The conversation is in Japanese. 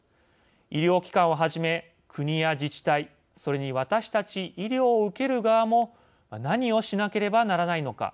医療機関をはじめ、国や自治体それに私たち医療を受ける側も何をしなければならないのか。